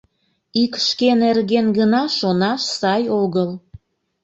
— Ик шке нерген гына шонаш сай огыл!